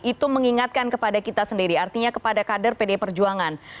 itu mengingatkan kepada kita sendiri artinya kepada kader pdi perjuangan